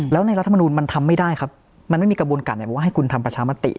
แล้วในรัฐมนูลมันทำไม่ได้ครับมันไม่มีกระบวนการไหนบอกว่าให้คุณทำประชามติ